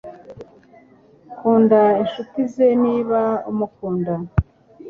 Kunda inshuti ze niba umukunda